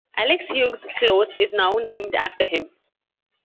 Alex Hughes Close is now named after him.